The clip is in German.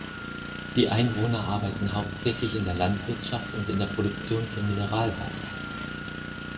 Die Einwohner arbeiten hauptsächlich in der Landwirtschaft und der Produktion von Mineralwasser.